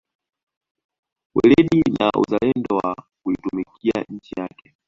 Weledi na uzalendo wa kuitumikia nchi yake